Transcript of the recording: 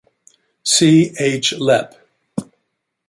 C. H. LeP.